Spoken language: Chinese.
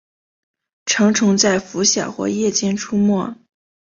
成虫在拂晓或夜间出没。